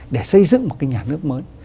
để xây dựng một cái nhà nước mới